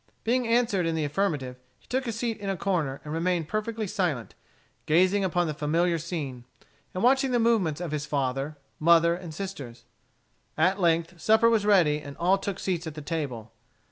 Being answered in the affirmative, he took a seat in a corner and remained perfectly silent, gazing upon the familiar scene, and watching the movements of his father, mother, and sisters. At length supper was ready, and all took seats at the table.